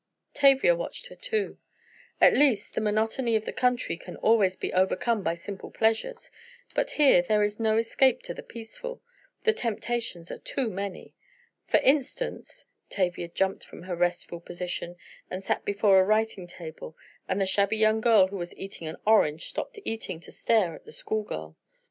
Tavia watched her too. "At least, the monotony of the country can always be overcome by simple pleasures, but here there is no escape to the peaceful—the temptations are too many. For instance," Tavia jumped from her restful position, and sat before a writing table, and the shabby young girl who was eating an orange, stopped eating to stare at the schoolgirl.